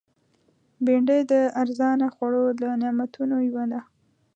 بېنډۍ د ارزانه خوړو له نعمتونو یوه ده